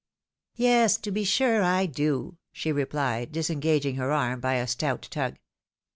" Yes, to be sure I do," she replied, disengaging her arm by a stout tug.